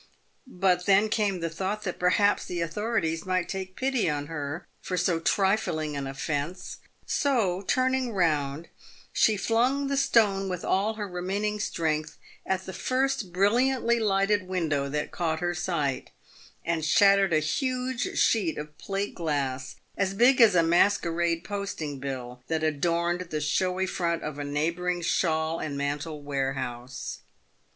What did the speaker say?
But then came the thought that perhaps the authorities might take pity on her for so trifling an offence ; so, turning round, she flung the stone with all her remaining strength at the first brilliantly lighted window that caught her sight, and shattered a huge sheet of plate glass — as big as a mas querade posting bill — that adorned the showy front of a neighbouring shawl and mantle warehouse.